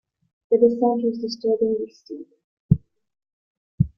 The descent was disturbingly steep.